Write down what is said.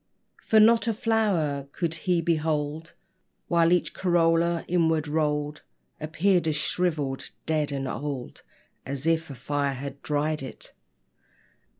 For not a flower could he behold, While each corolla, inward rolled, Appeared as shrivelled, dead, and old As if a fire had dried it.